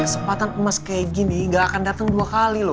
kesempatan emas kayak gini gak akan datang dua kali loh